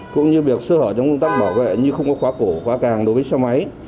cũng như việc sơ hở trong công tác bảo vệ như không có khóa cổ khóa càng đối với xe máy